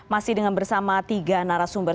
masih dengan bersama tiga narasumber